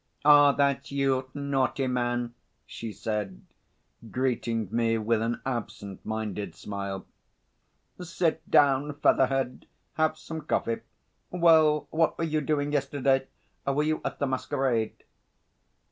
"Ah, that's you, naughty man!" she said, greeting me with an absent minded smile. "Sit down, feather head, have some coffee. Well, what were you doing yesterday? Were you at the masquerade?"